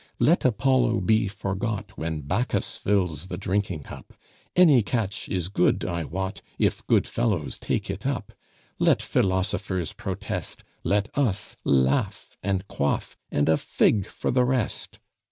Let Apollo be forgot When Bacchus fills the drinking cup; Any catch is good, I wot, If good fellows take it up. Let philosophers protest, Let us laugh, And quaff, And a fig for the rest!